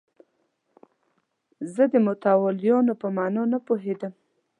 زه د متولیانو په معنی نه پوهېدم.